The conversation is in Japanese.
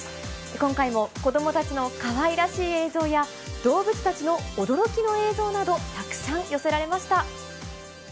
今回も子どもたちのかわいらしい映像や、動物たちの驚きの映像など、たくさん寄せられました。